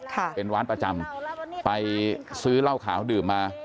ค่ะเป็นร้านประจำไปซื้อเหล้าขาวดื่มมา